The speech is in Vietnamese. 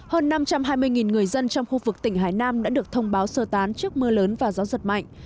hơn năm trăm hai mươi người dân trong khu vực tỉnh hải nam đã được thông báo sơ tán trước mưa lớn và gió giật mạnh